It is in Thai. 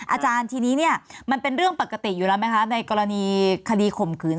อาจารย์ทีนี้เนี่ยมันเป็นเรื่องปกติอยู่แล้วไหมคะในกรณีคดีข่มขืน